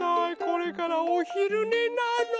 これからおひるねなの。